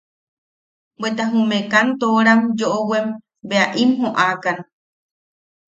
Bweta jume kantooram yoʼowem bea i m joʼakan.